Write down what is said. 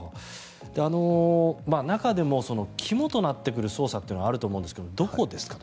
中でも肝となってくる捜査というのがあると思うんですがどこですかね？